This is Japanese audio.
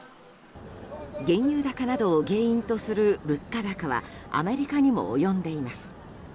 原油高などを原因とする物価高はアメリカにも及んでいます。